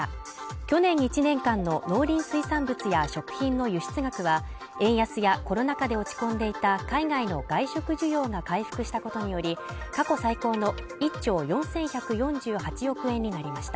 去年１年間の農林水産物や食品の輸出額は円安やコロナ禍で落ち込んでいた海外の外食需要が回復したことにより過去最高の１兆４１４８億円になりました